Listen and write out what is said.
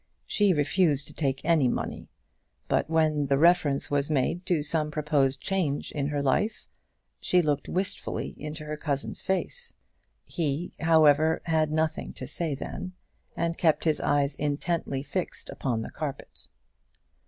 She refused to take any money: but when the reference was made to some proposed change in her life, she looked wistfully into her cousin's face. He, however, had nothing to say then, and kept his eyes intently fixed upon the carpet.